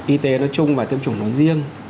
y tế nói chung và tiêm chủng nói riêng